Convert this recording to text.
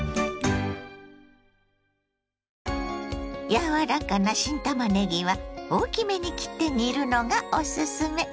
柔らかな新たまねぎは大きめに切って煮るのがおすすめ。